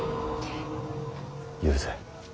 許せ。